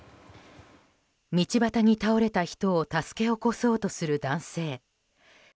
道端に倒れた人を助け起こそうとする男性。